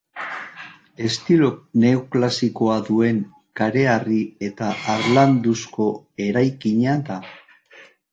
Estilo neoklasikoa duen kareharri eta harlanduzko eraikina da.